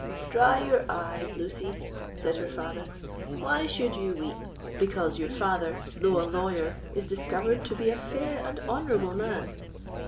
"Dry your eyes, Lucy," said her father; "why should you weep, because your father, though a lawyer, is discovered to be a fair and honourable man?